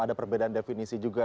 ada perbedaan definisi juga